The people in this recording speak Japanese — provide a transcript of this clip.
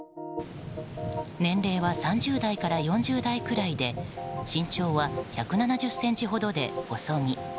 年齢は３０代から４０代くらいで身長は１７０ｃｍほどで細身。